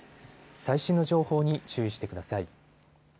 最新の情報に注意してください。